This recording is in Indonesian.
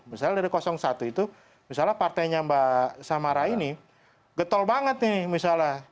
misalnya dari satu itu misalnya partainya mbak samara ini getol banget nih misalnya